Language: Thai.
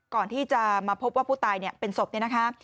ก่อนที่จะมาพบว่าผู้ตายเป็นศพเนี่ยนะคะ